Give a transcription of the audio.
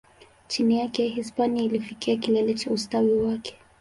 Chini yake, Hispania ilifikia kilele cha ustawi wake.